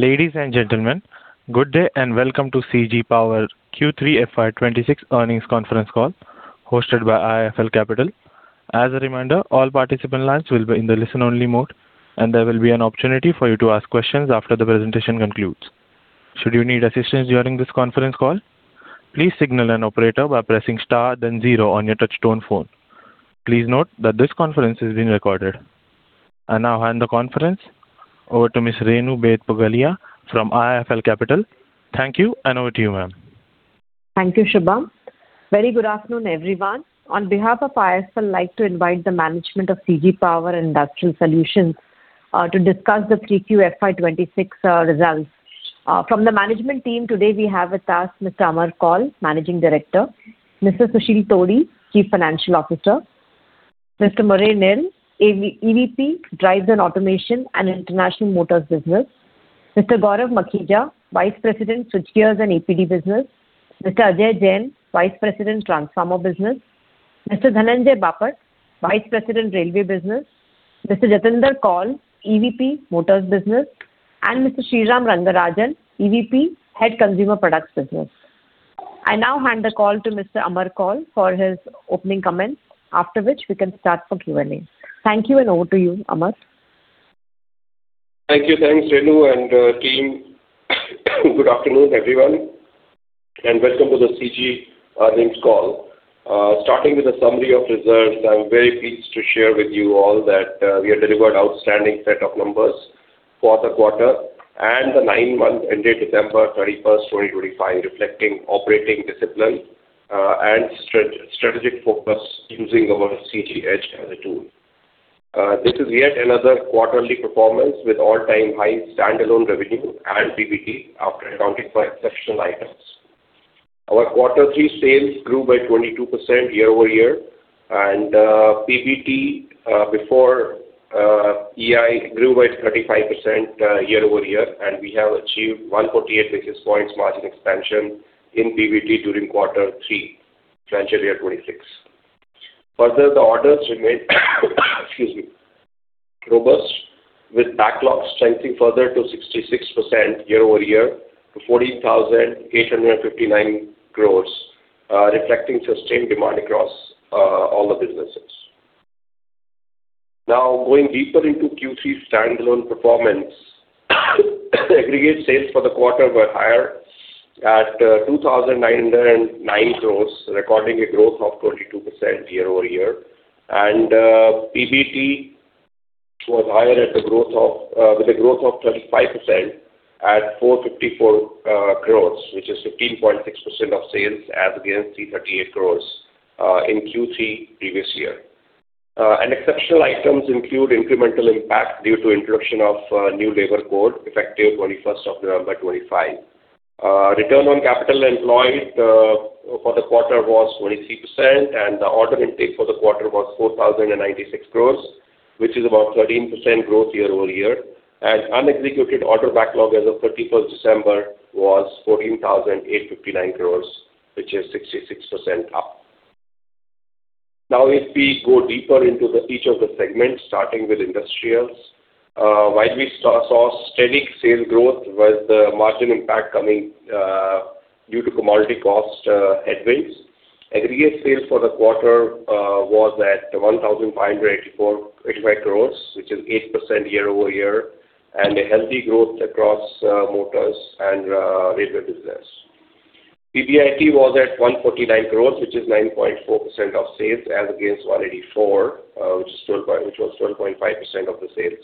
Ladies and gentlemen, good day, and welcome to CG Power Q3 FY 2026 earnings conference call, hosted by IIFL Capital. As a reminder, all participant lines will be in the listen-only mode, and there will be an opportunity for you to ask questions after the presentation concludes. Should you need assistance during this conference call, please signal an operator by pressing star, then zero on your touchtone phone. Please note that this conference is being recorded. Now I hand the conference over to Ms. Renu Baid Pugalia from IIFL Capital. Thank you, and over to you, ma'am. Thank you, Shubham. Very good afternoon, everyone. On behalf of IIFL, I'd like to invite the management of CG Power and Industrial Solutions to discuss the 3Q FY 2026 results. From the management team today we have with us Mr. Amar Kaul, Managing Director, Mr. Sushil Todi, Chief Financial Officer, Mr. Murray Neil, EVP, Drives and Automation and International Motors Business, Mr. Gaurav Makhija, Vice President, Switchgears and APD Business, Mr. Ajay Jain, Vice President, Transformer Business, Mr. Dhananjay Bapat, Vice President, Railway Business, Mr. Jatinder Kaul, EVP, Motors Business, and Mr. Sriram Rangarajan, EVP, Head, Consumer Products Business. I now hand the call to Mr. Amar Kaul for his opening comments, after which we can start for Q&A. Thank you, and over to you, Amar. Thank you. Thanks, Renu and team. Good afternoon, everyone, and welcome to the CG earnings call. Starting with a summary of results, I'm very pleased to share with you all that we have delivered outstanding set of numbers for the quarter and the nine months ended December 31, 2025, reflecting operating discipline and strategic focus using our CG Edge as a tool. This is yet another quarterly performance with all-time high standalone revenue and PBT after accounting for exceptional items. Our Quarter 3 sales grew by 22% year-over-year, and PBT before EI grew by 35% year-over-year, and we have achieved 148 basis points margin expansion in PBT during Quarter 3, financial year 2026. Further, the orders remained, excuse me, robust, with backlogs strengthening further to 66% year-over-year to 14,859 crores, reflecting sustained demand across all the businesses. Now, going deeper into Q3 standalone performance, aggregate sales for the quarter were higher at 2,909 crores, recording a growth of 22% year-over-year. PBT was higher at the growth of with a growth of 25% at 454 crores, which is 15.6% of sales as against 338 crores in Q3 previous year. And exceptional items include incremental impact due to introduction of new labor code, effective 21st of November 2025. Return on capital employed for the quarter was 23%, and the order intake for the quarter was 4,096 crores, which is about 13% growth year-over-year. Unexecuted order backlog as of 31 December was 14,859 crores, which is 66% up. Now, if we go deeper into each of the segments, starting with industrials, while we saw steady sales growth with the margin impact coming due to commodity cost headwinds, aggregate sales for the quarter was at 1,584.85 crores, which is 8% year-over-year, and a healthy growth across motors and railway business. PBIT was at 149 crores, which is 9.4% of sales, as against 184 crores, which was 12.5% of the sales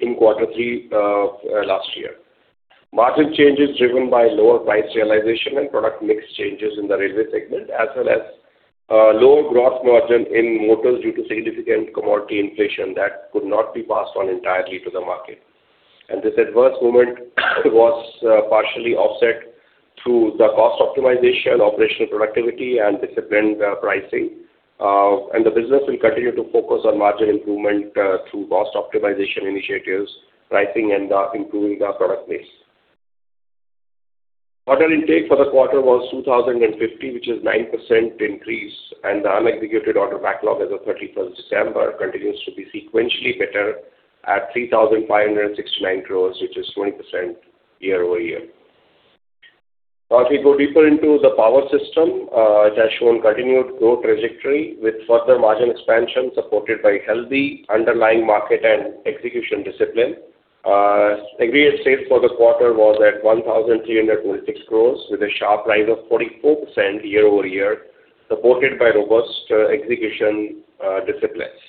in Quarter three last year. Margin change is driven by lower price realization and product mix changes in the railway segment, as well as, lower gross margin in motors due to significant commodity inflation that could not be passed on entirely to the market. And this adverse movement was partially offset through the cost optimization, operational productivity, and disciplined pricing. And the business will continue to focus on margin improvement through cost optimization initiatives, pricing, and improving our product mix. Order intake for the quarter was 2,050, which is 9% increase, and the unexecuted order backlog as of 31st December continues to be sequentially better at 3,569 crores, which is 20% year-over-year. As we go deeper into the power system, it has shown continued growth trajectory with further margin expansion, supported by healthy underlying market and execution discipline. Aggregate sales for this quarter was at 1,326 crores, with a sharp rise of 44% year-over-year, supported by robust execution disciplines.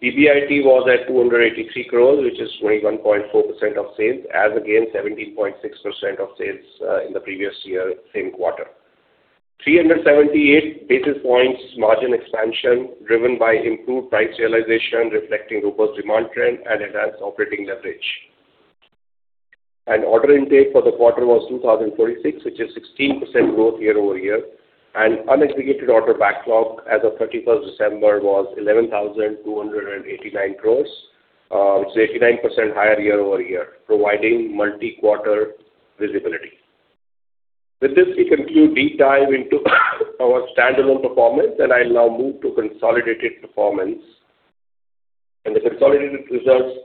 PBIT was at 283 crores, which is 21.4% of sales, as against 17.6% of sales in the previous year, same quarter. 378 basis points margin expansion driven by improved price realization, reflecting robust demand trend and enhanced operating leverage. Order intake for the quarter was 2,046 crores, which is 16% growth year-over-year, and unexecuted order backlog as of 31st December was 11,289 crores, which is 89% higher year-over-year, providing multi-quarter visibility. With this, we conclude deep dive into our standalone performance, and I'll now move to consolidated performance. The consolidated results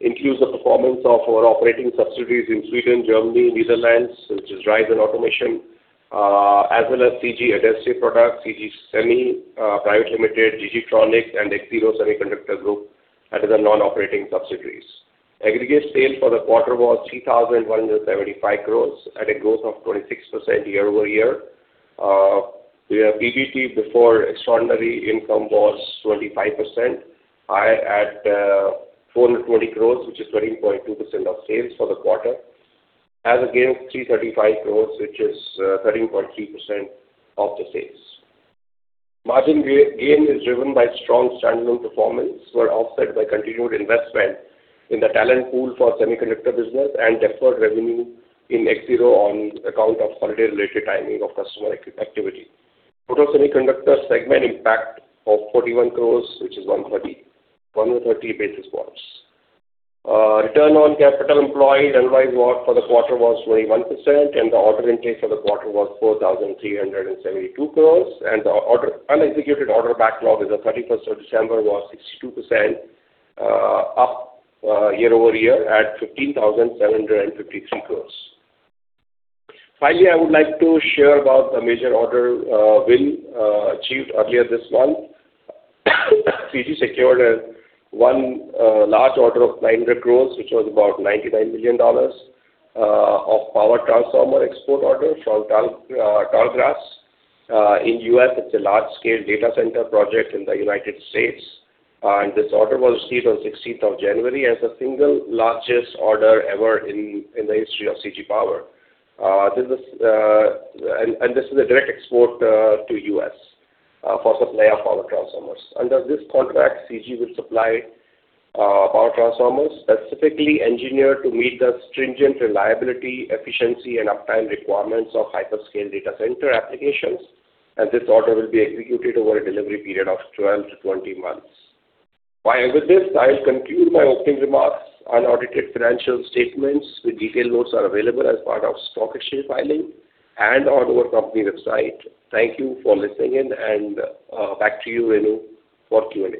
includes the performance of our operating subsidiaries in Sweden, Germany, Netherlands, which is drives and automation, as well as CG Adhesives Products, CG Semi Private Limited, G.G. Tronics, and Axiro Semiconductor Group, that is, our non-operating subsidiaries. Aggregate sales for the quarter was 3,175 crores, at a growth of 26% year-over-year. We have PBT before extraordinary income was 25% high at 420 crores, which is 13.2% of sales for the quarter. EBITDA was 335 crores, which is 13.3% of the sales. Margin gain is driven by strong standalone performance, were offset by continued investment in the talent pool for semiconductor business and deferred revenue in Axiro on account of holiday-related timing of customer activity. Power semiconductor segment impact of 41 crores, which is 130 basis points. Return on capital employed, ROCE for the quarter was 21%, and the order intake for the quarter was 4,372 crores. The unexecuted order backlog as of 31 December was 62% up year-over-year at 15,753 crores. Finally, I would like to share about the major order, win, achieved earlier this month. CG secured one large order of 900 crores, which was about $99 million, of power transformer export order from Tallgrass in U.S. It's a large-scale data center project in the United States, and this order was received on sixteenth of January as the single largest order ever in the history of CG Power. And this is a direct export to U.S. for supply of power transformers. Under this contract, CG will supply power transformers, specifically engineered to meet the stringent reliability, efficiency, and uptime requirements of hyperscale data center applications, and this order will be executed over a delivery period of 12-20 months. With this, I'll conclude my opening remarks. Unaudited financial statements with detailed notes are available as part of stock exchange filing and on our company website. Thank you for listening in, and back to you, Renu, for Q&A.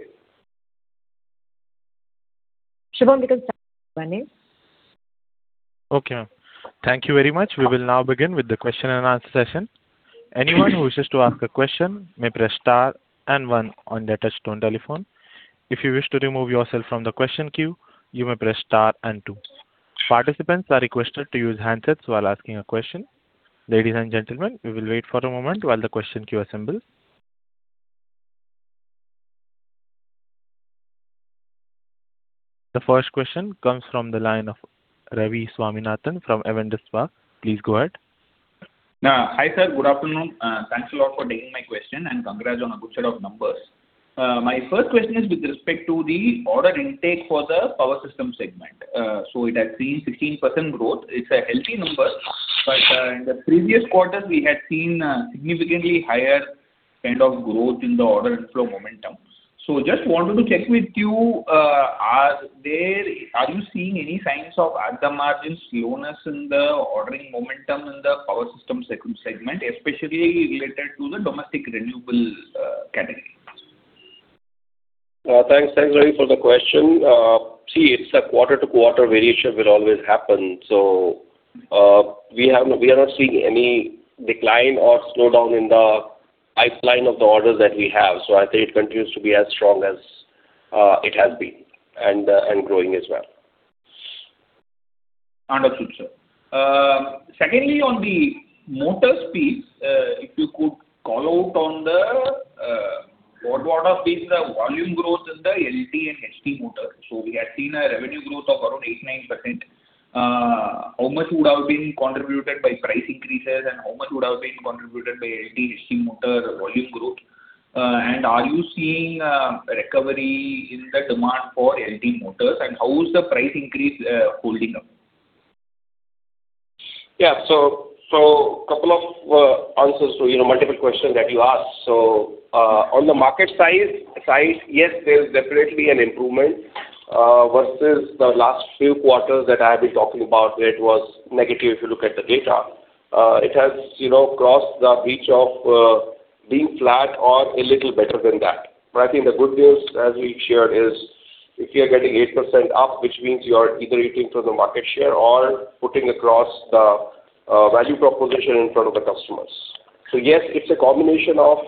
Shubham, you can start. Okay, ma'am. Thank you very much. We will now begin with the question and answer session. Anyone who wishes to ask a question may press star and one on their touchtone telephone. If you wish to remove yourself from the question queue, you may press star and two. Participants are requested to use handsets while asking a question. Ladies and gentlemen, we will wait for a moment while the question queue assembles. The first question comes from the line of Ravi Swaminathan from Avendus Spark. Please go ahead. Hi, sir. Good afternoon. Thanks a lot for taking my question, and congrats on a good set of numbers. My first question is with respect to the order intake for the power system segment. So it has seen 16% growth. It's a healthy number, but in the previous quarters, we had seen significantly higher kind of growth in the order inflow momentum. So just wanted to check with you, are you seeing any signs of, at the margin, slowness in the ordering momentum in the power system segment, especially related to the domestic renewable category? Thanks, thanks, Ravi, for the question. See, it's a quarter-to-quarter variation will always happen, so, we have, we are not seeing any decline or slowdown in the pipeline of the orders that we have, so I think it continues to be as strong as it has been, and, and growing as well. Understood, sir. Secondly, on the motors piece, if you could call out on the, what would have been the volume growth in the LT and HT motors? So we had seen a revenue growth of around 8%-9%. How much would have been contributed by price increases, and how much would have been contributed by LT, HT motor volume growth? And are you seeing, recovery in the demand for LT motors, and how is the price increase, holding up? Yeah, so couple of answers to, you know, multiple questions that you asked. So, on the market size, yes, there is definitely an improvement versus the last few quarters that I have been talking about, where it was negative if you look at the data. It has, you know, crossed the reach of being flat or a little better than that. But I think the good news, as we've shared, is if you are getting 8% up, which means you are either eating through the market share or putting across the value proposition in front of the customers. So yes, it's a combination of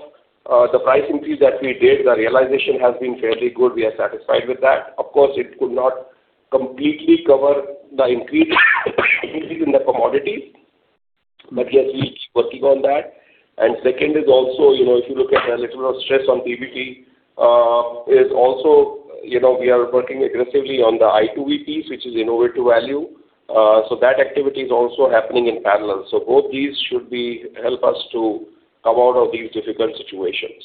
the price increase that we did. The realization has been fairly good. We are satisfied with that. Of course, it could not completely cover the increase, the increase in the commodity, but yes, we're working on that. And second is also, you know, if you look at the little stress on PBT, is also, you know, we are working aggressively on the I2V piece, which is innovative value. So that activity is also happening in parallel. So both these should help us to come out of these difficult situations.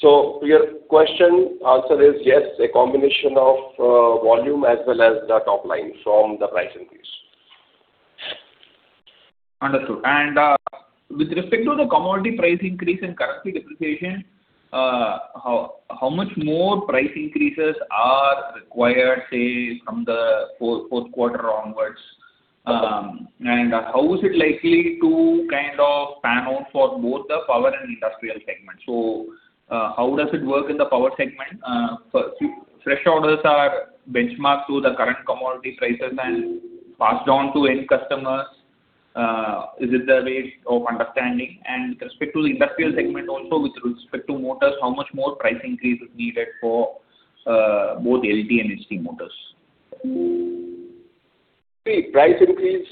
So your question answer is yes, a combination of, volume as well as the top line from the price increase. Understood. And with respect to the commodity price increase and currency depreciation, how much more price increases are required, say, from the Q4 onwards? And how is it likely to kind of pan out for both the power and industrial segment? So, how does it work in the power segment? First, fresh orders are benchmarked to the current commodity prices and passed on to end customers. Is it the way of understanding? And with respect to the industrial segment also, with respect to motors, how much more price increase is needed for both LT and HT motors? See, price increase,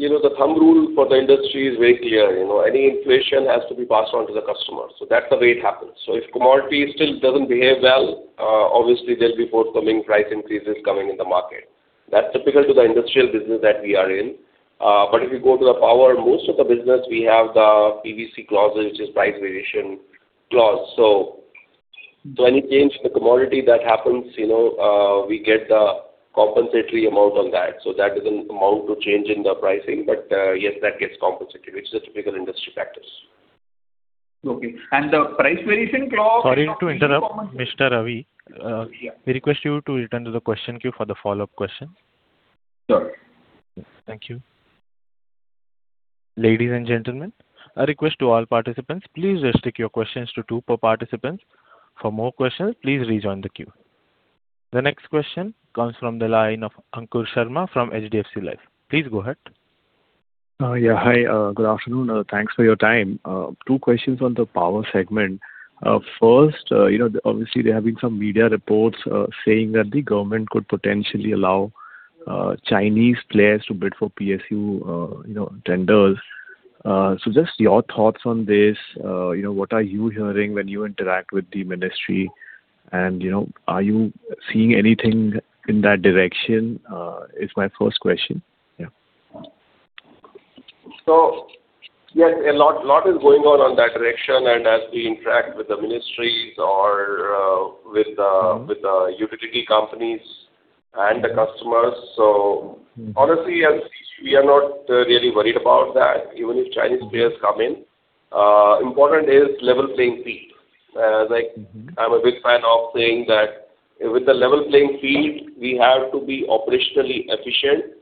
you know, the thumb rule for the industry is very clear, you know, any inflation has to be passed on to the customer, so that's the way it happens. So if commodity still doesn't behave well, obviously there'll be forthcoming price increases coming in the market. That's typical to the industrial business that we are in. But if you go to the power, most of the business, we have the PVC clauses, which is price variation clause. So, so any change in the commodity that happens, you know, we get the compensatory amount on that. So that doesn't amount to change in the pricing, but, yes, that gets compensated, which is a typical industry practice. Okay. The price variation clause- Sorry to interrupt, Mr. Ravi. Yeah. We request you to return to the question queue for the follow-up question. Sure. Thank you. Ladies and gentlemen, a request to all participants, please restrict your questions to two per participant. For more questions, please rejoin the queue. The next question comes from the line of Ankur Sharma from HDFC Life. Please go ahead. Yeah. Hi, good afternoon. Thanks for your time. Two questions on the power segment. First, you know, obviously there have been some media reports saying that the government could potentially allow Chinese players to bid for PSU, you know, tenders. So just your thoughts on this, you know, what are you hearing when you interact with the ministry? And, you know, are you seeing anything in that direction? Is my first question. Yeah. So yes, a lot, lot is going on in that direction, and as we interact with the ministries or, with the- Mm-hmm. with the utility companies and the customers, so Mm. Honestly, as we are not really worried about that, even if Chinese players come in, important is level playing field. Mm-hmm. Like, I'm a big fan of saying that with the level playing field, we have to be operationally efficient,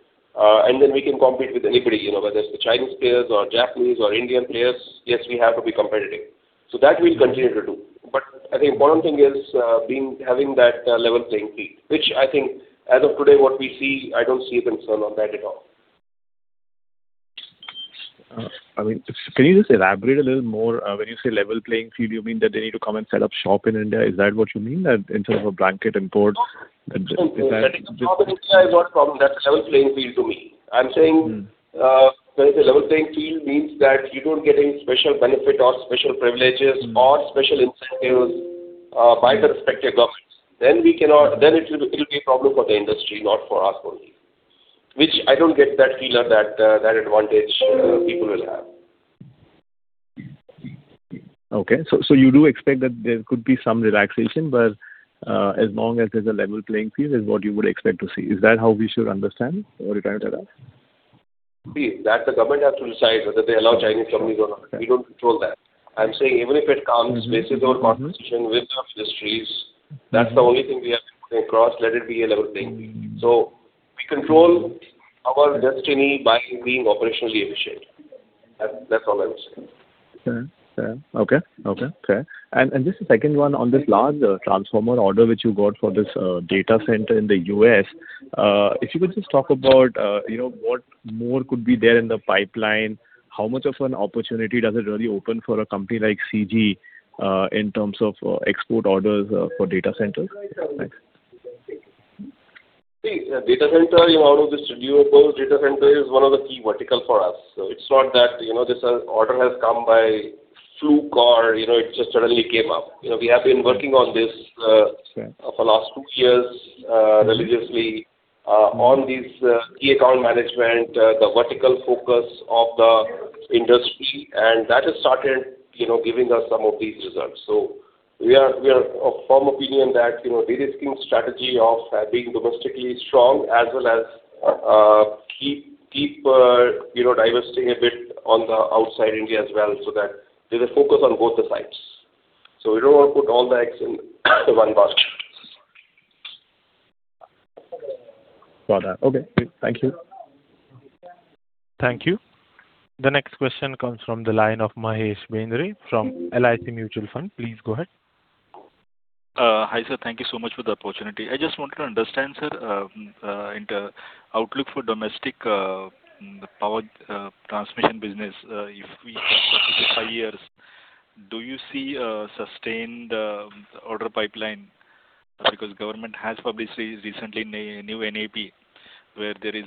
and then we can compete with anybody, you know, whether it's the Chinese players or Japanese or Indian players, yes, we have to be competitive. So that we'll continue to do. But I think important thing is, being, having that, level playing field, which I think as of today, what we see, I don't see a concern on that at all. I mean, can you just elaborate a little more? When you say level playing field, you mean that they need to come and set up shop in India? Is that what you mean, that instead of a blanket imports, is that- No, that is not an issue. I want from that level playing field to me. I'm saying- Mm. When I say level playing field, means that you don't get any special benefit or special privileges- Mm. or special incentives by the respective governments, then we cannot. Then it will be a problem for the industry, not for us only. Which I don't get that feeling that that advantage people will have. Okay. So, so you do expect that there could be some relaxation, but, as long as there's a level playing field, is what you would expect to see. Is that how we should understand what you're trying to tell us? See that the government has to decide whether they allow Chinese companies or not. Okay. We don't control that. I'm saying even if it comes- Mm-hmm, mm-hmm. Based on our competition with our industries- Mm. that's the only thing we have to put across, let it be a level playing field. Mm. So we control our destiny by being operationally efficient. That, that's all I would say. Fair. Fair. Okay. Okay. Fair. And, and just the second one on this large transformer order, which you got for this data center in the U.S., if you could just talk about, you know, what more could be there in the pipeline? How much of an opportunity does it really open for a company like CG, in terms of, export orders, for data centers? Thanks. See, data center, you know, this renewable data center is one of the key verticals for us. So it's not that, you know, this, order has come by fluke or, you know, it just suddenly came up. You know, we have been working on this, Sure. For the last two years, Mm-hmm. Religiously, on these, key account management, the vertical focus of the industry, and that has started, you know, giving us some of these results. So we are of firm opinion that, you know, de-risking strategy of, being domestically strong, as well as, keep, you know, divesting a bit on the outside India as well, so that there's a focus on both the sides. So we don't want to put all the eggs in the one basket. Got that. Okay, great. Thank you. Thank you. The next question comes from the line of Mahesh Bhendre, from LIC Mutual Fund. Please go ahead. Hi, sir. Thank you so much for the opportunity. I just wanted to understand, sir, in the outlook for domestic, the power, transmission business, if we look at the five years, do you see a sustained, order pipeline? Because government has published recently new NEP, where there is,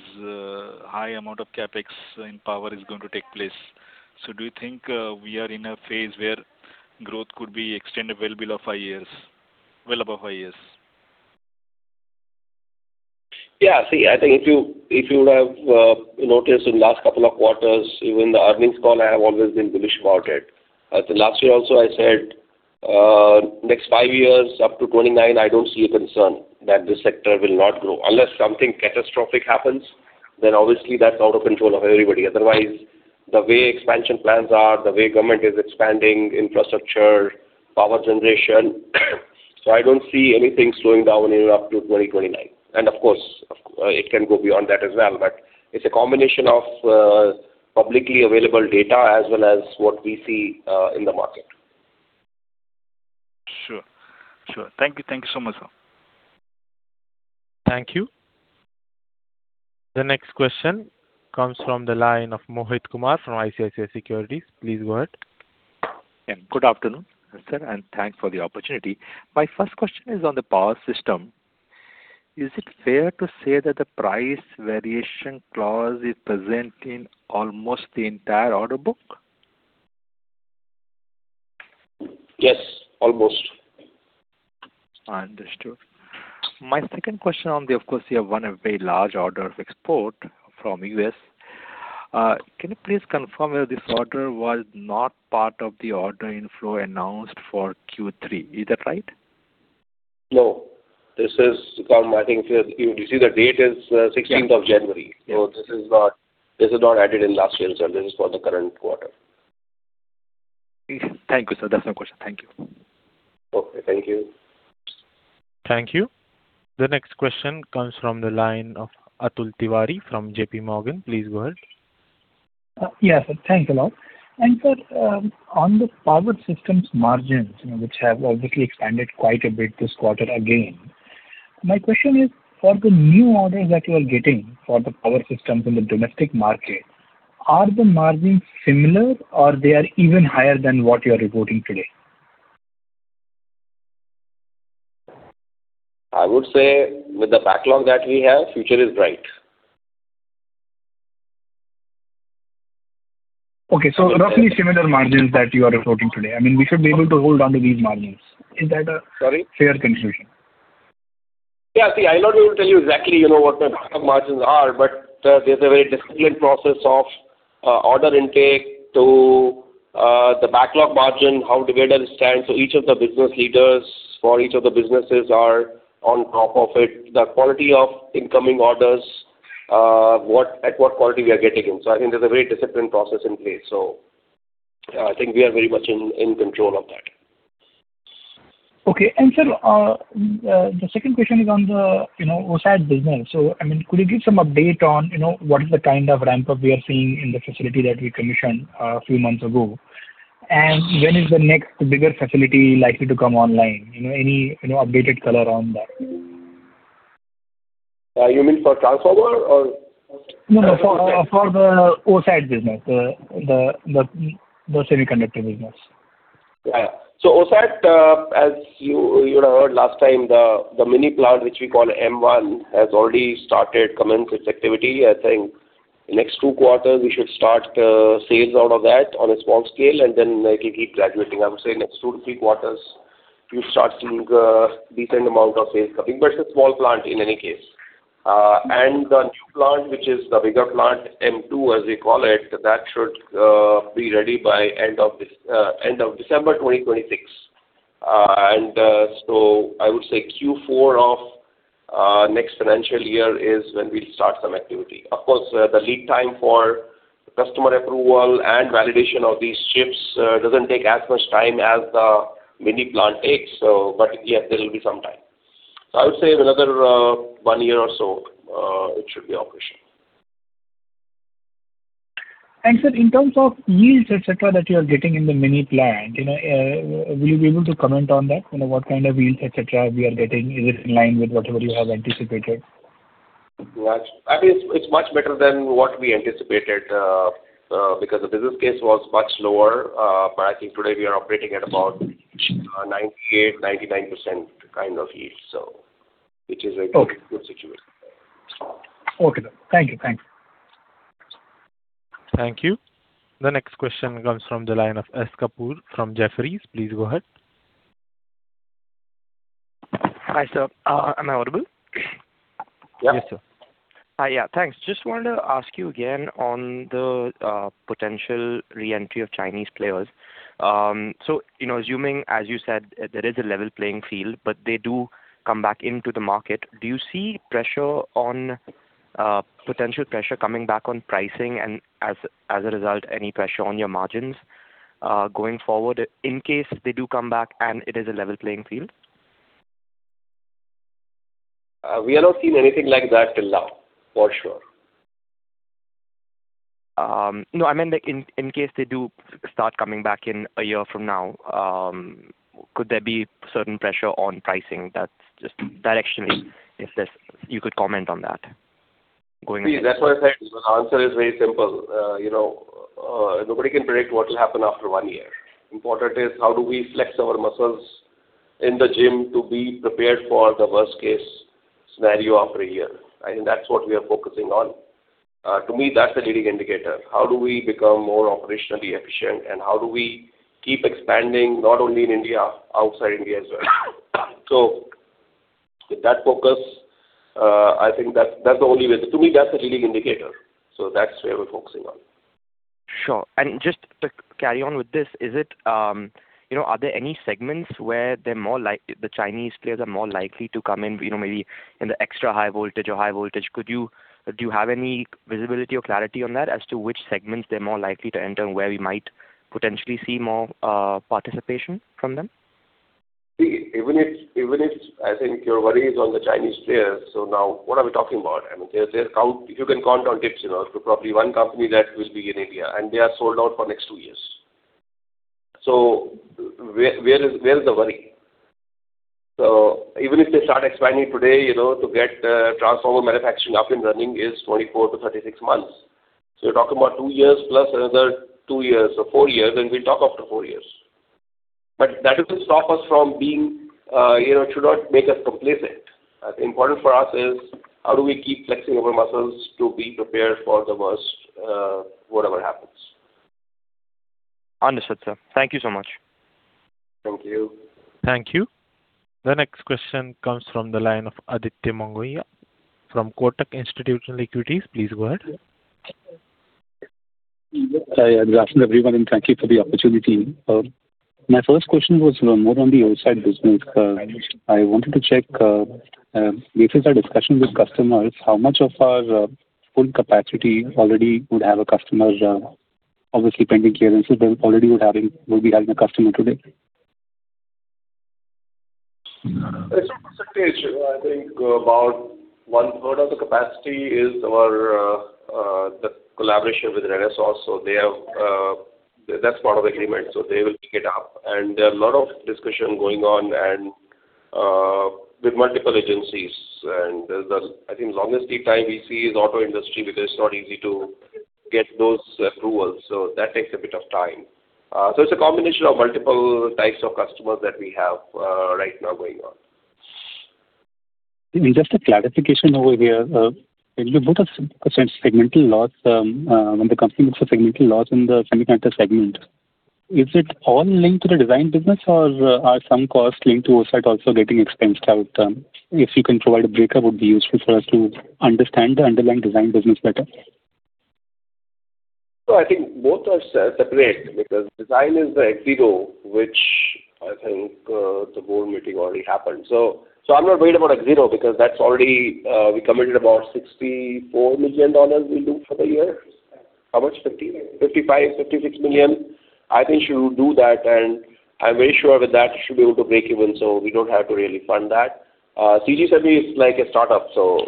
high amount of CapEx in power is going to take place. So do you think, we are in a phase where growth could be extended well below five years—well, above five years? Yeah, see, I think if you, if you have noticed in last couple of quarters, even the earnings call, I have always been bullish about it. The last year also I said next five years, up to 2029, I don't see a concern that this sector will not grow. Unless something catastrophic happens, then obviously that's out of control of everybody. Otherwise, the way expansion plans are, the way government is expanding infrastructure, power generation, so I don't see anything slowing down here up to 2029. And, of course, of course, it can go beyond that as well, but it's a combination of publicly available data as well as what we see in the market. Sure. Sure. Thank you. Thank you so much, sir. Thank you. The next question comes from the line of Mohit Kumar from ICICI Securities. Please go ahead. Yeah. Good afternoon, sir, and thanks for the opportunity. My first question is on the power system. Is it fair to say that the price variation clause is present in almost the entire order book? Yes, almost. Understood. My second question. Of course, you have won a very large order of export from U.S. Can you please confirm whether this order was not part of the order inflow announced for Q3? Is that right? No. This is from, I think, if you see the date is, sixteenth- Yeah... of January. Yeah. So this is not, this is not added in last year, so this is for the current quarter. Thank you, sir. That's my question. Thank you. Okay, thank you. Thank you. The next question comes from the line of Atul Tiwari from JPMorgan. Please go ahead. Yes, sir. Thanks a lot. Sir, on the power systems margins, you know, which have obviously expanded quite a bit this quarter again, my question is, for the new orders that you are getting for the power systems in the domestic market, are the margins similar or they are even higher than what you are reporting today? I would say with the backlog that we have, future is bright. Okay, so roughly similar margins that you are reporting today. I mean, we should be able to hold on to these margins. Is that a- Sorry? -fair conclusion? Yeah, see, I'm not able to tell you exactly, you know, what my backlog margins are, but there's a very disciplined process of order intake to the backlog margin, how to understand. So each of the business leaders for each of the businesses are on top of it. The quality of incoming orders, what quality we are getting in. So I think there's a very disciplined process in place. So I think we are very much in control of that. Okay. And, sir, the second question is on the, you know, OSAT business. So, I mean, could you give some update on, you know, what is the kind of ramp-up we are seeing in the facility that we commissioned a few months ago? And when is the next bigger facility likely to come online? You know, any, you know, updated color on that? You mean for transformer or? No, no, for the OSAT business, the semiconductor business. Yeah. So OSAT, as you, you know, heard last time, the, the mini plant, which we call M1, has already started, commenced its activity. I think the next two quarters, we should start, sales out of that on a small scale, and then, it'll keep graduating. I would say next two to three quarters, you'll start seeing a decent amount of sales coming. But it's a small plant in any case. And the new plant, which is the bigger plant, M2, as we call it, that should, be ready by end of this, end of December 2026. And, so I would say Q4 of, next financial year is when we'll start some activity. Of course, the lead time for customer approval and validation of these chips doesn't take as much time as the mini plant takes, so but, yeah, there will be some time. So I would say another one year or so, it should be operational. Sir, in terms of yields, et cetera, that you are getting in the mini plant, you know, will you be able to comment on that? You know, what kind of yields, et cetera, we are getting? Is it in line with whatever you have anticipated? Yeah. I mean, it's much better than what we anticipated, because the business case was much lower. But I think today we are operating at about 98%-99% kind of yield. So which is a very- Okay. -good situation. Okay, sir. Thank you. Thanks. Thank you. The next question comes from the line of S. Kapoor from Jefferies. Please go ahead. Hi, sir. Am I audible? Yeah. Yes, sir. Yeah, thanks. Just wanted to ask you again on the potential re-entry of Chinese players. So, you know, assuming, as you said, there is a level playing field, but they do come back into the market, do you see pressure on potential pressure coming back on pricing and as a result, any pressure on your margins going forward, in case they do come back and it is a level playing field? We have not seen anything like that till now, for sure. No, I meant that in case they do start coming back in a year from now, could there be certain pressure on pricing? That's just directionally, if there's you could comment on that, going forward. See, that's why I said the answer is very simple. You know, nobody can predict what will happen after one year. Important is how do we flex our muscles in the gym to be prepared for the worst-case scenario after a year? I think that's what we are focusing on. To me, that's the leading indicator. How do we become more operationally efficient, and how do we keep expanding, not only in India, outside India as well? With that focus, I think that's, that's the only way. To me, that's the leading indicator, so that's where we're focusing on. Sure. And just to carry on with this, is it, you know, are there any segments where the Chinese players are more likely to come in, you know, maybe in the extra high voltage or high voltage? Do you have any visibility or clarity on that as to which segments they're more likely to enter and where we might potentially see more participation from them? See, even if I think your worry is on the Chinese players, so now what are we talking about? I mean, You can count on tips, you know, to probably one company that will be in India, and they are sold out for next two years. So where, where is, where is the worry? So even if they start expanding today, you know, to get transformer manufacturing up and running is 24-36 months. So you're talking about two years plus another two years, so four years, and we'll talk after four years. But that doesn't stop us from being, you know, should not make us complacent. Important for us is how do we keep flexing our muscles to be prepared for the worst, whatever happens. Understood, sir. Thank you so much. Thank you. Thank you. The next question comes from the line of Aditya Mongia from Kotak Institutional Equities. Please go ahead. Hi, good afternoon, everyone, and thank you for the opportunity. My first question was more on the outside business. I wanted to check, based on our discussion with customers, how much of our full capacity already would have a customer's, obviously, pending clearances, but already would having, would be having a customer today? As a percentage, I think about one third of the capacity is our, the collaboration with Renesas. So they have, that's part of the agreement, so they will pick it up. And there are a lot of discussion going on and, with multiple agencies. And there's the, I think, the longest lead time we see is auto industry, because it's not easy to get those approvals. So that takes a bit of time. So it's a combination of multiple types of customers that we have, right now going on. Just a clarification over here. You both have segmental loss, when the company looks for segmental loss in the semiconductor segment, is it all linked to the design business, or are some costs linked to OSAT also getting expensed out? If you can provide a breakup, would be useful for us to understand the underlying design business better. So I think both are separate because design is the Axiro, which I think, the board meeting already happened. So, so I'm not worried about Axiro because that's already, we committed about $64 million we do for the year. How much? $55-$56 million. I think should do that, and I'm very sure with that, it should be able to break even, so we don't have to really fund that. CG Semi is like a startup, so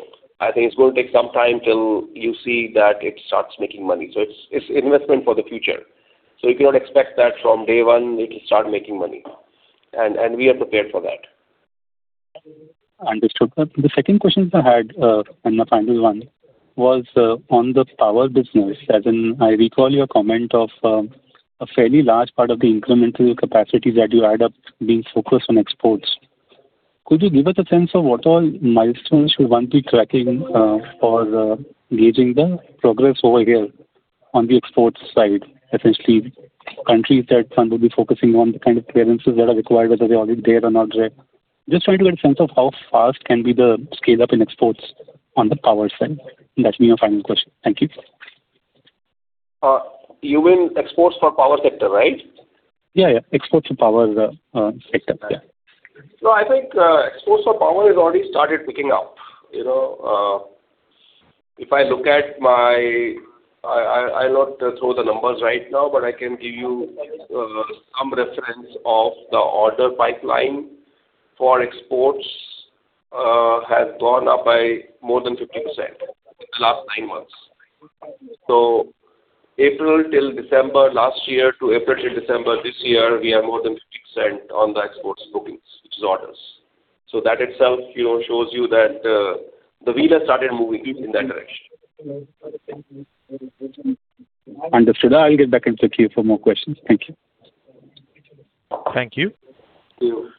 I think it's going to take some time till you see that it starts making money. So it's, it's investment for the future. So you cannot expect that from day one, it will start making money. And, and we are prepared for that. Understood. The second question I had, and the final one, was on the power business. As in, I recall your comment of a fairly large part of the incremental capacity that you add up being focused on exports. Could you give us a sense of what all milestones you want to be tracking for gauging the progress over here on the export side? Essentially, countries that we will be focusing on the kind of clearances that are required, whether they are already there or not there. Just trying to get a sense of how fast can be the scale-up in exports on the power side. That's been your final question. Thank you. You mean exports for power sector, right? Yeah, yeah. Exports for power sector. Yeah. No, I think exports for power has already started picking up. You know, if I look at my... I’ll not throw the numbers right now, but I can give you some reference of the order pipeline for exports has gone up by more than 50% in the last nine months. So April till December last year to April to December this year, we have more than 50% on the exports bookings, which is orders. So that itself, you know, shows you that the wheel has started moving in that direction. Understood. I'll get back into queue for more questions. Thank you. Thank you. Thank you.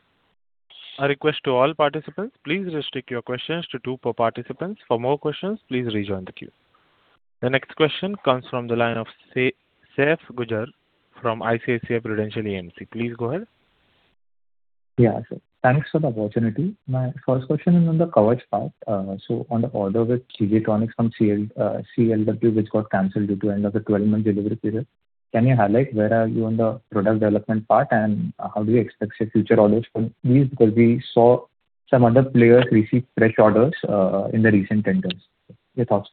A request to all participants: Please restrict your questions to two per participant. For more questions, please rejoin the queue. The next question comes from the line of Saif Galaria from ICICI Prudential AMC. Please go ahead. Yeah, sir. Thanks for the opportunity. My first question is on the coverage part. So on the order with G.G. Tronics from CLW, which got canceled due to end of the twelve-month delivery period, can you highlight where are you on the product development part, and, how do you expect the future orders from these? Because we saw some other players receive fresh orders, in the recent tenders. Yeah, thanks.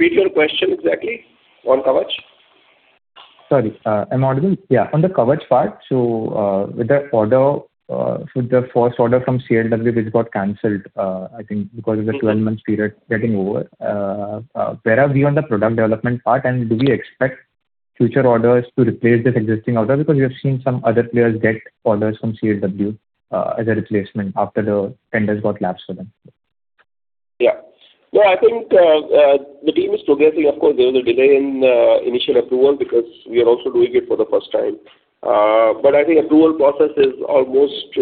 Can you, can you repeat your question exactly on coverage? Sorry, on the coverage part, so, with the order, with the first order from CLW, which got canceled, I think because of the 12 months period getting over, where are we on the product development part, and do we expect future orders to replace this existing order? Because we have seen some other players get orders from CLW, as a replacement after the tenders got lapsed for them. Yeah. Yeah, I think the team is progressing. Of course, there was a delay in initial approval because we are also doing it for the first time. But I think approval process is almost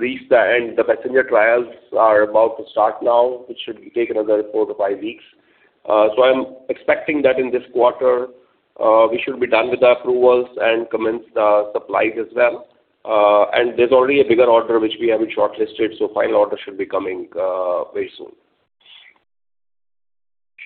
reached the end. The passenger trials are about to start now, which should take another 4-5 weeks. So I'm expecting that in this quarter, we should be done with the approvals and commence the supplies as well. And there's already a bigger order which we have been shortlisted, so final order should be coming very soon.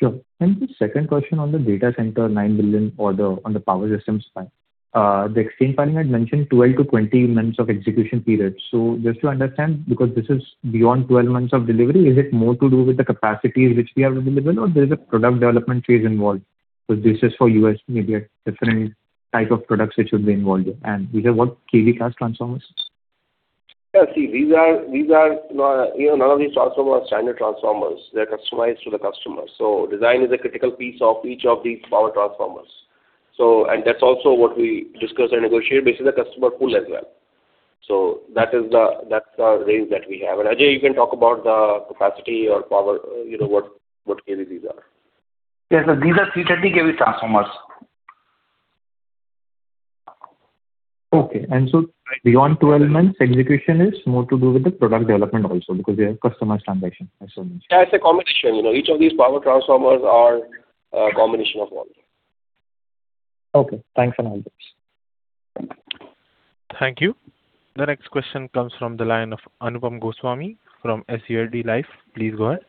Sure. And the second question on the data center, $9 billion order on the power systems side. The execution planning had mentioned 12-20 months of execution period. So just to understand, because this is beyond 12 months of delivery, is it more to do with the capacity which we have available, or there's a product development phase involved? So this is for U.S., maybe a different type of products which would be involved in. And these are what, kV class transformers? Yeah, see, these are, these are, you know, none of these transformers are standard transformers. They're customized to the customer. So design is a critical piece of each of these power transformers. So... And that's also what we discuss and negotiate, based on the customer pool as well. So that is the- that's the range that we have. And, Ajay, you can talk about the capacity or power, you know, what, what kV these are. Yes, these are 330 kV transformers. Okay. Beyond 12 months, execution is more to do with the product development also, because they are customized transactions, I suppose. Yeah, it's a combination. You know, each of these power transformers are a combination of one. Okay, thanks for all this. Thank you. The next question comes from the line of Anupam Goswami from SBI Life. Please go ahead.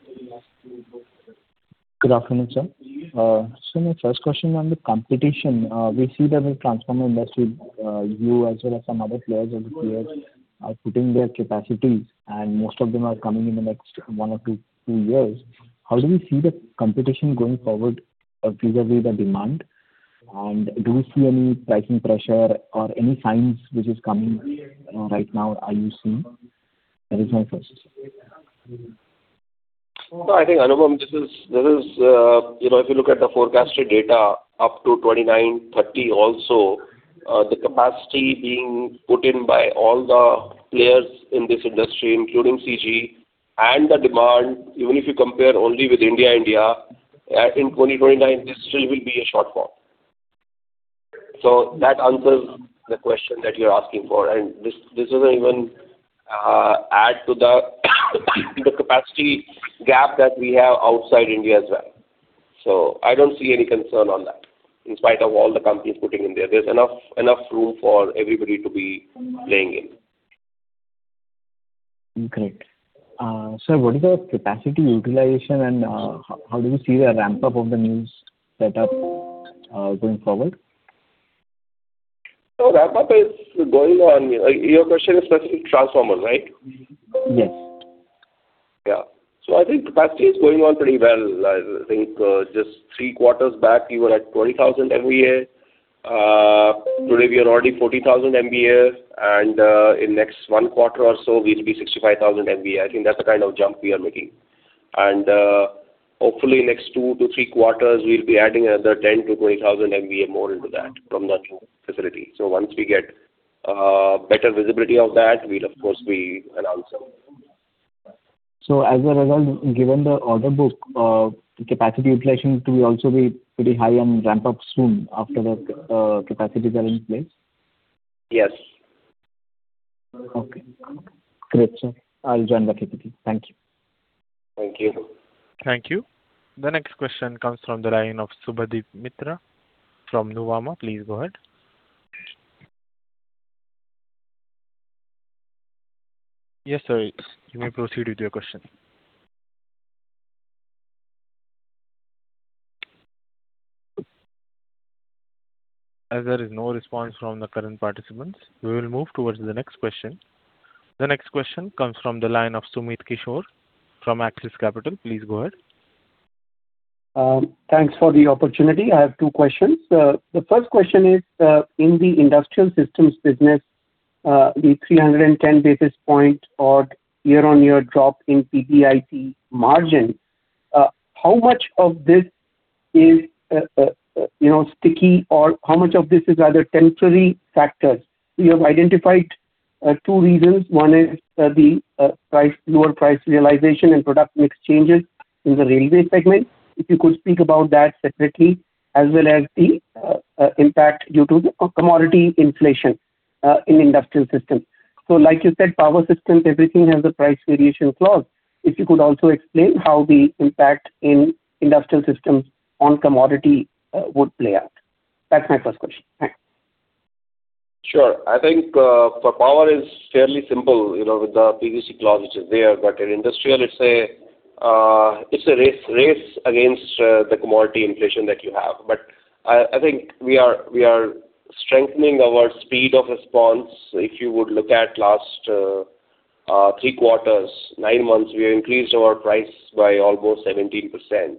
Good afternoon, sir. So my first question on the competition, we see that with transformer industry, you as well as some other players over the years are putting their capacities, and most of them are coming in the next one or two years. How do you see the competition going forward or vis-à-vis the demand? And do you see any pricing pressure or any signs which is coming, right now, are you seeing? That is my first question. No, I think, Anupam, this is, this is, you know, if you look at the forecasted data up to 29, 30 also, the capacity being put in by all the players in this industry, including CG, and the demand, even if you compare only with India and India, in 2029, this still will be a shortfall. So that answers the question that you're asking for, and this, this doesn't even, add to the, the capacity gap that we have outside India as well. So I don't see any concern on that, in spite of all the companies putting in there. There's enough, enough room for everybody to be playing in. Great. So what is our capacity utilization, and how do you see the ramp-up of the new setup going forward? Ramp-up is going on. Your question is specific transformer, right? Yes. Yeah. I think capacity is going on pretty well. I think just three quarters back, we were at 20,000 MVA. Today we are already 40,000 MVA, and in next one quarter or so, we'll be 65,000 MVA. I think that's the kind of jump we are making. Hopefully next two to three quarters, we'll be adding another 10,000-20,000 MVA more into that from the new facility. So once we get better visibility of that, we'll of course be announce them. So as a result, given the order book, capacity utilization to also be pretty high and ramp up soon after the capacities are in place? Yes. Okay. Great, sir. I'll join the queue. Thank you. Thank you. Thank you. The next question comes from the line of Subhadip Mitra from Nuvama. Please go ahead. Yes, sir, you may proceed with your question. As there is no response from the current participants, we will move towards the next question. The next question comes from the line of Sumit Kishore from Axis Capital. Please go ahead. Thanks for the opportunity. I have two questions. The first question is, in the industrial systems business, the 310 basis point year-on-year drop in PBIT margin, how much of this is, you know, sticky, or how much of this is rather temporary factors? You have identified two reasons. One is the lower price realization and product mix changes in the railway segment. If you could speak about that separately, as well as the impact due to the commodity inflation in industrial systems. So, like you said, power systems, everything has a price variation clause. If you could also explain how the impact in industrial systems on commodity would play out. That's my first question. Thanks. Sure. I think, for power is fairly simple, you know, with the PVC clause which is there, but in industrial, it's a race against the commodity inflation that you have. But I think we are strengthening our speed of response. If you would look at last three quarters, nine months, we increased our price by almost 17%,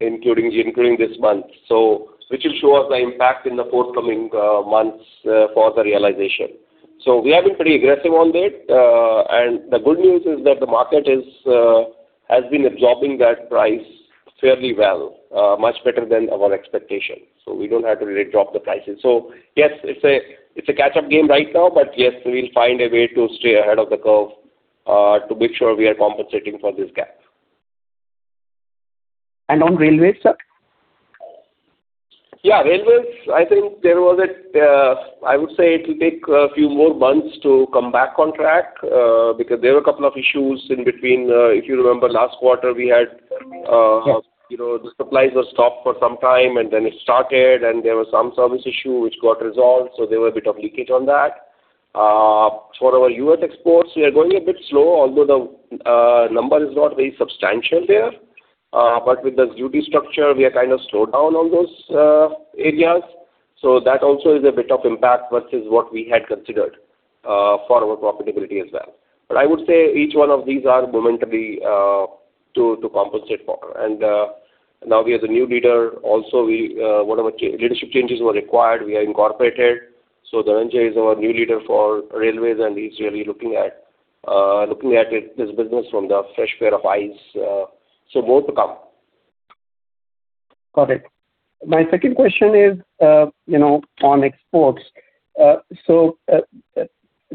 including this month. So which will show us the impact in the forthcoming months for the realization. So we have been pretty aggressive on that. And the good news is that the market has been absorbing that price fairly well, much better than our expectation. So we don't have to really drop the prices. So yes, it's a, it's a catch-up game right now, but yes, we'll find a way to stay ahead of the curve, to make sure we are compensating for this gap. …And on railways, sir? Yeah, railways, I think there was a, I would say it will take a few more months to come back on track, because there were a couple of issues in between. If you remember last quarter, we had, Yes. You know, the supplies were stopped for some time, and then it started, and there was some service issue which got resolved, so there were a bit of leakage on that. For our US exports, we are going a bit slow, although the number is not very substantial there. But with the duty structure, we are kind of slowed down on those areas. So that also is a bit of impact versus what we had considered for our profitability as well. But I would say each one of these are momentarily to compensate for. And now we have a new leader. Also, we whatever leadership changes were required, we are incorporated. So Dhananjay is our new leader for railways, and he's really looking at it, this business from the fresh pair of eyes, so more to come. Got it. My second question is, you know, on exports. So,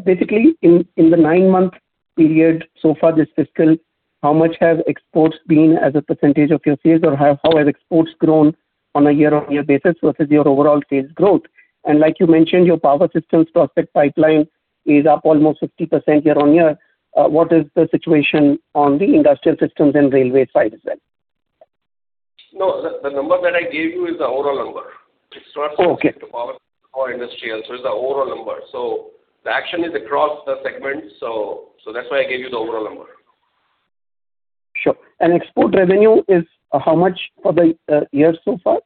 basically, in the nine-month period so far this fiscal, how much have exports been as a percentage of your sales, or how have exports grown on a year-on-year basis versus your overall sales growth? And like you mentioned, your power systems prospect pipeline is up almost 50% year-on-year. What is the situation on the industrial systems and railway side as well? No, the number that I gave you is the overall number. Okay. It starts from power to industrial. So it's the overall number. So the action is across the segment, so that's why I gave you the overall number. Sure. Export revenue is how much for the year so far?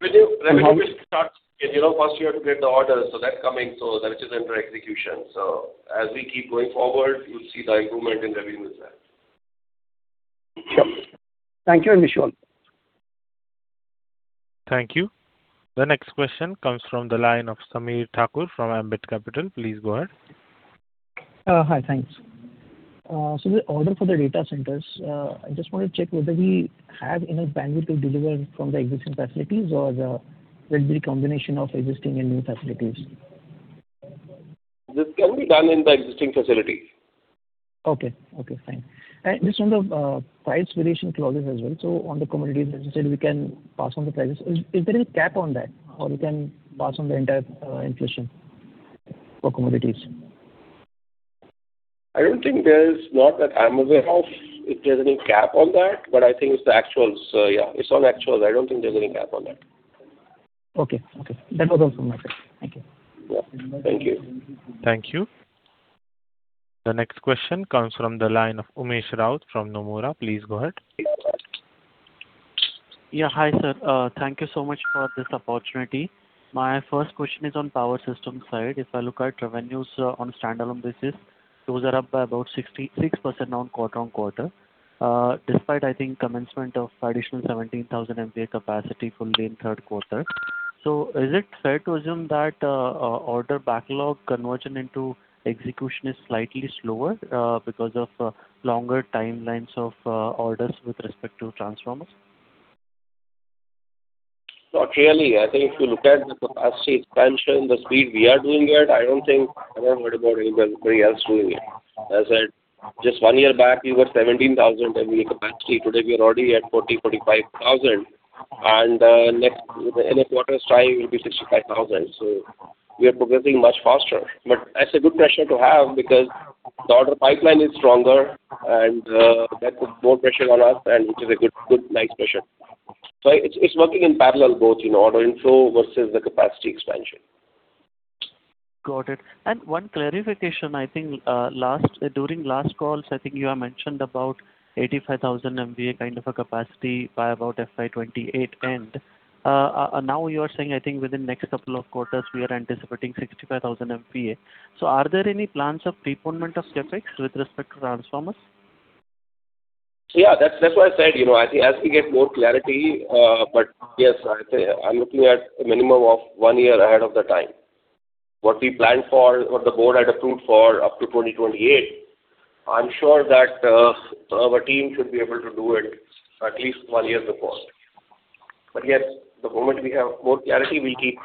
Revenue, revenue starts... You know, first you have to get the orders, so that's coming, so that is under execution. So as we keep going forward, you'll see the improvement in revenues there. Sure. Thank you, and wish you well. Thank you. The next question comes from the line of Sameer Thakur from Ambit Capital. Please go ahead. Hi. Thanks. So the order for the data centers, I just want to check whether we have enough bandwidth to deliver from the existing facilities, or will it be a combination of existing and new facilities? This can be done in the existing facility. Okay. Okay, fine. And just on the price variation clauses as well. So on the commodities, as you said, we can pass on the prices. Is there any cap on that, or we can pass on the entire inflation for commodities? I don't think there is, not that I'm aware of, if there's any cap on that, but I think it's the actuals. Yeah, it's on actuals. I don't think there's any cap on that. Okay. Okay. That was all from my side. Thank you. Yeah. Thank you. Thank you. The next question comes from the line of Umesh Raut from Nomura. Please go ahead. Yeah, hi, sir. Thank you so much for this opportunity. My first question is on power system side. If I look at revenues on a standalone basis, those are up by about 66% quarter-on-quarter, despite, I think, commencement of additional 17,000 MVA capacity fully in third quarter. So is it fair to assume that order backlog conversion into execution is slightly slower because of longer timelines of orders with respect to transformers? Not really. I think if you look at the capacity expansion, the speed we are doing it, I don't think... I'm not worried about anybody else doing it. As I said, just one year back, we were 17,000 MVA capacity. Today, we are already at 40-45,000. And next, in the next quarter, it will be 65,000. So we are progressing much faster. But that's a good pressure to have because the order pipeline is stronger, and that puts more pressure on us, and it is a good, good, nice pressure. So it's working in parallel, both in order inflow versus the capacity expansion. Got it. And one clarification: I think, last, during last calls, I think you have mentioned about 85,000 MVA kind of a capacity by about FY 2028. And, now you are saying, I think within the next couple of quarters, we are anticipating 65,000 MVA. So are there any plans of preponement of CapEx with respect to transformers? Yeah, that's why I said, you know, as we get more clarity, but yes, I'm looking at a minimum of one year ahead of the time. What we planned for, what the board had approved for up to 2028, I'm sure that our team should be able to do it at least one year before. But yes, the moment we have more clarity, we'll keep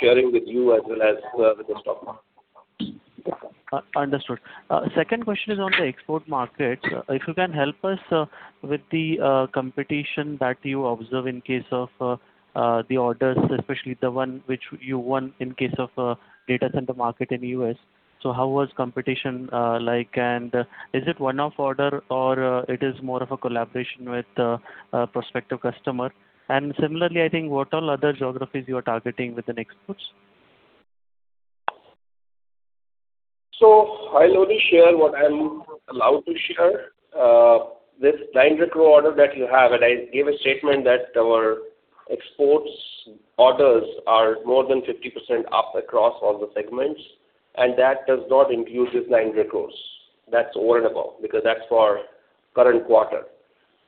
sharing with you as well as with the stock market. Understood. Second question is on the export market. If you can help us with the competition that you observe in case of the orders, especially the one which you won in case of data center market in US. So how was competition like, and is it one-off order, or it is more of a collaboration with a prospective customer? And similarly, I think what are other geographies you are targeting within exports? So I'll only share what I'm allowed to share. This nine crores order that you have, and I gave a statement that our exports orders are more than 50% up across all the segments, and that does not include this nine crores. That's orderable, because that's for current quarter.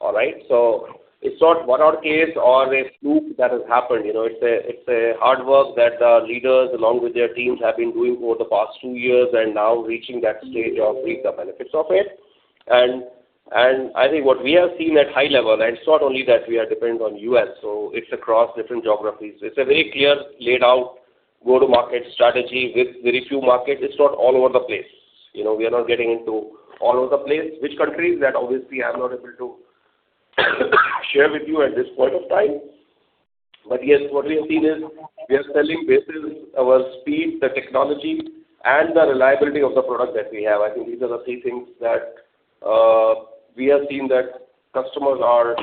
All right? So it's not one-off case or a fluke that has happened. You know, it's a, it's a hard work that our leaders, along with their teams, have been doing over the past 2 years and now reaching that stage of reap the benefits of it. And, and I think what we have seen at high level, and it's not only that we are dependent on U.S., so it's across different geographies. It's a very clear laid out go-to-market strategy with very few markets. It's not all over the place. You know, we are not getting into all over the place. Which countries, that obviously I'm not able to share with you at this point of time. But yes, what we have seen is, we are selling basis our speed, the technology, and the reliability of the product that we have. I think these are the three things that we have seen that customers are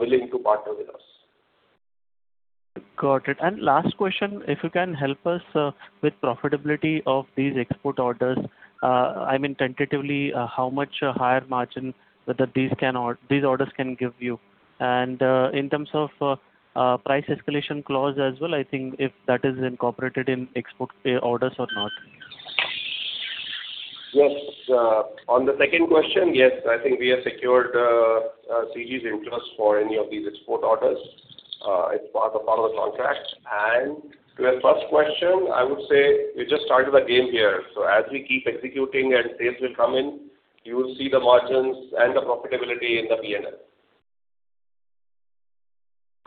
willing to partner with us. Got it. Last question, if you can help us with profitability of these export orders. I mean, tentatively, how much a higher margin that these can or these orders can give you? In terms of price escalation clause as well, I think if that is incorporated in export orders or not. Yes, on the second question, yes, I think we have secured CG's interest for any of these export orders. It's part, a part of the contract. To your first question, I would say we just started the game here, so as we keep executing and sales will come in, you will see the margins and the profitability in the P&L.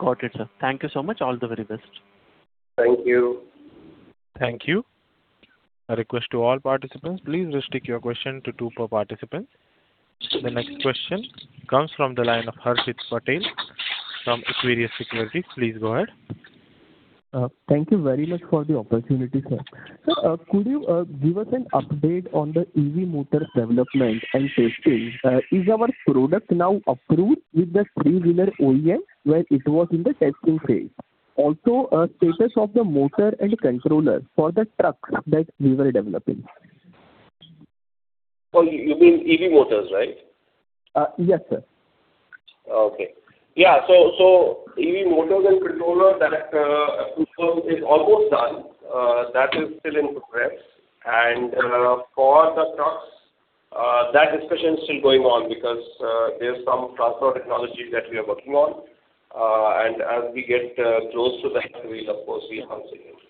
Got it, sir. Thank you so much. All the very best. Thank you. Thank you. A request to all participants, please restrict your question to two per participant. The next question comes from the line of Harshit Patel from Equirus Securities. Please go ahead. Thank you very much for the opportunity, sir. Sir, could you give us an update on the EV motor development and testing? Is our product now approved with the three-wheeler OEM, where it was in the testing phase? Also, status of the motor and controller for the truck that we were developing. Oh, you mean EV motors, right? Yes, sir. Okay. Yeah, so EV motors and controller that is almost done, that is still in progress. And, for the trucks, that discussion is still going on because, there's some transfer technology that we are working on. And as we get close to that, we'll of course, we have to use.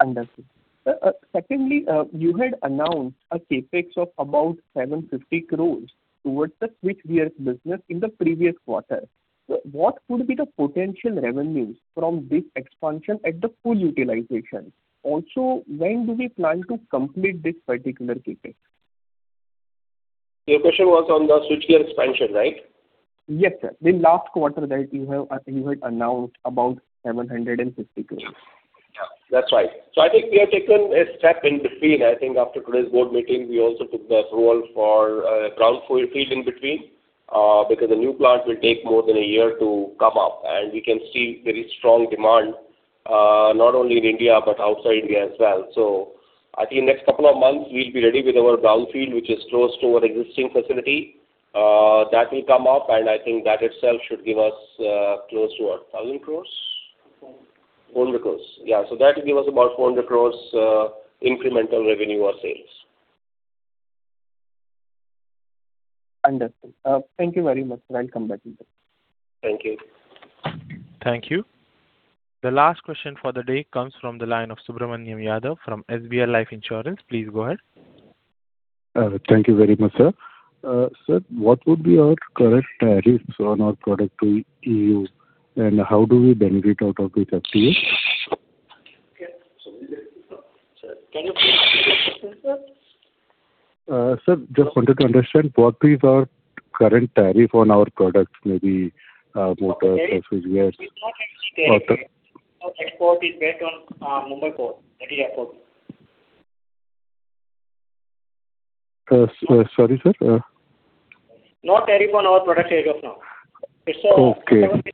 Understood. Secondly, you had announced a CapEx of about 750 crores towards the switchgears business in the previous quarter. What could be the potential revenues from this expansion at the full utilization? Also, when do we plan to complete this particular CapEx? Your question was on the switchgear expansion, right? Yes, sir. The last quarter that you have, you had announced about 750 crores. Yeah, that's right. So I think we have taken a step in between. I think after today's board meeting, we also took the approval for, brownfield field in between, because the new plant will take more than a year to come up, and we can see very strong demand, not only in India, but outside India as well. So I think next couple of months, we'll be ready with our brownfield, which is close to our existing facility. That will come up, and I think that itself should give us, close to 1,000 crores? Four hundred. 400 crores. Yeah, so that will give us about 400 crores incremental revenue or sales. Understood. Thank you very much, sir. I'll come back to you. Thank you. Thank you. The last question for the day comes from the line of Subramanian Yadav from SBI Life Insurance. Please go ahead. Thank you very much, sir. Sir, what would be our current tariffs on our product to EU, and how do we benefit out of it up to you? Sir, can you repeat the question, sir? Sir, just wanted to understand, what is our current tariff on our products, maybe, motors, switchgears? Export is based on Mumbai Port, that is our port. Sorry, sir? No tariff on our products as of now. Okay. It's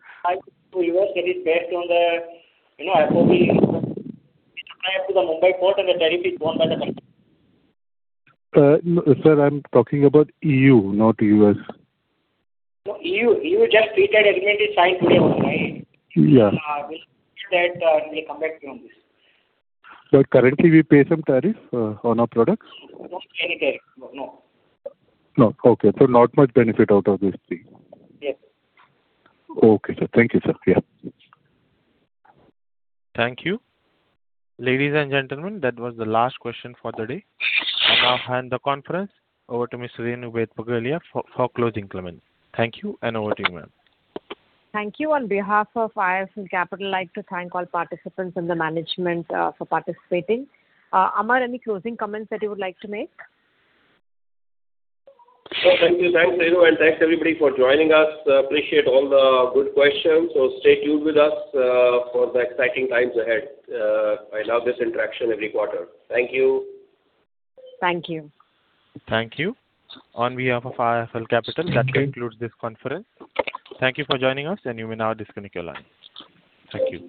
to the U.S. that is based on the, you know, FOB. It arrives to the Mumbai Port, and the tariff is borne by the customer. No, sir, I'm talking about EU, not US. Oh, EU. EU just treated everything they signed today online. Yeah. We'll say that, we'll come back to you on this. Currently, we pay some tariff on our products? Not any tariff, no, no. No. Okay, so not much benefit out of this Free Trade Agreement. Yes. Okay, sir. Thank you, sir. Yeah. Thank you. Ladies and gentlemen, that was the last question for the day. I now hand the conference over to Ms. Renu Baid Pugalia for closing comments. Thank you, and over to you, ma'am. Thank you. On behalf of IIFL Securities, I'd like to thank all participants and the management for participating. Amar, any closing comments that you would like to make? Thank you. Thanks, Renu, and thanks, everybody, for joining us. Appreciate all the good questions. So stay tuned with us for the exciting times ahead. I love this interaction every quarter. Thank you. Thank you. Thank you. On behalf of IIFL Securities- Thank you. That concludes this conference. Thank you for joining us, and you may now disconnect your line. Thank you.